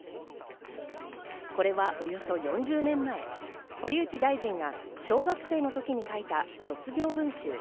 これはおよそ４０年前、堀内大臣が小学生の時に書いた卒業文集。